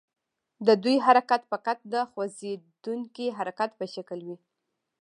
د دوی حرکت فقط د خوځیدونکي حرکت په شکل وي.